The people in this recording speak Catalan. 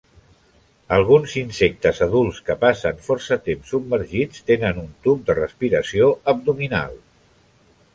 Alguns insectes adults que passen força temps submergits tenen un tub de respiració abdominal.